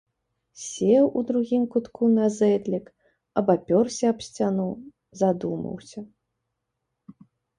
Сеў у другім кутку на зэдлік, абапёрся аб сцяну, задумаўся.